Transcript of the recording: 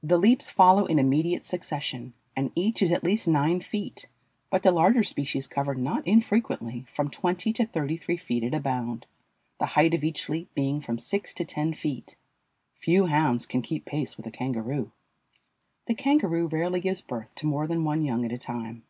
The leaps follow in immediate succession, and each is at least nine feet, but the larger species cover, not infrequently, from twenty to thirty three feet at a bound, the height of each leap being from six to ten feet. Few hounds can keep pace with a kangaroo. The kangaroo rarely gives birth to more than one young at a time.